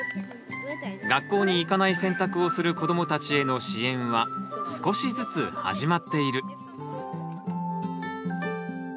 学校に行かない選択をする子どもたちへの支援は少しずつ始まっている。